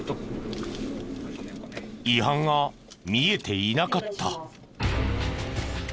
違反が見えていなかった。